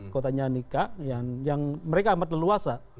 kotanya nikah yang mereka amat leluasa